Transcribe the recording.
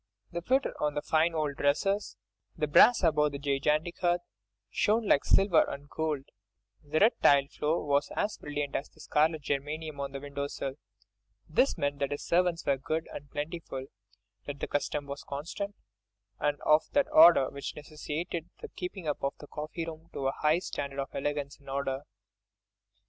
The pewter on the fine old dressers, the brass above the gigantic hearth, shone like silver and gold—the red tiled floor was as brilliant as the scarlet geranium on the window sill—this meant that his servants were good and plentiful, that the custom was constant, and of that order which necessitated the keeping up of the coffee room to a high standard of elegance and order.